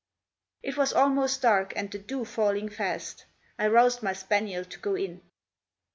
It was almost dark, and the dew falling fast; I roused my spaniel to go in.